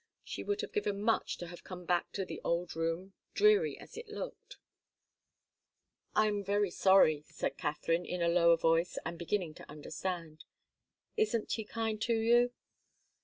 She would have given much to have come back to the old room, dreary as it looked. "I'm very sorry," said Katharine, in a lower voice and beginning to understand. "Isn't he kind to you?"